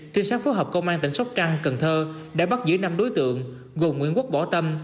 trinh sát phối hợp công an tỉnh sóc trăng cần thơ đã bắt giữ năm đối tượng gồm nguyễn quốc bỏ tâm